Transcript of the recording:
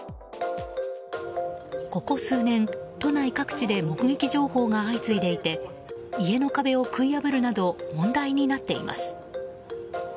ここ数年、都内各地で目撃情報が相次いでいて家の壁を食い破るなど問題になっています。